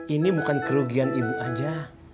ini bukan kerugian ibu aja